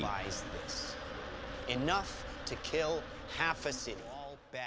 cukup untuk membunuh setengah negara